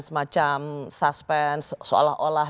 semacam suspense seolah olah